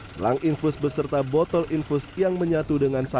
selang infus beserta botol infus yang menyatu dengan satu